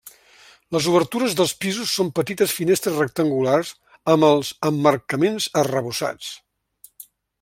Les obertures dels pisos són petites finestres rectangulars amb els emmarcaments arrebossats.